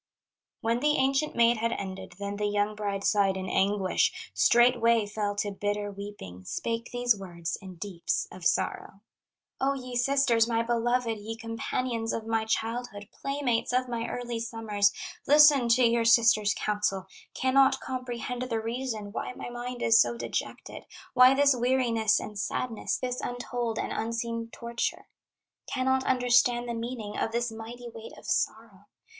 When the ancient maid had ended, Then the young bride sighed in anguish, Straightway fell to bitter weeping, Spake these words in deeps of sorrow: "O, ye sisters, my beloved, Ye companions of my childhood, Playmates of my early summers, Listen to your sister's counsel: Cannot comprehend the reason, Why my mind is so dejected, Why this weariness and sadness, This untold and unseen torture, Cannot understand the meaning Of this mighty weight of sorrow!